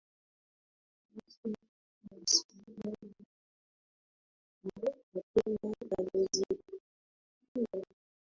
Rais Dokta Hussein Ali Mwinyi mapema amejipambanua